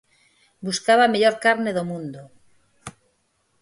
Buscaba a mellor carne do mundo.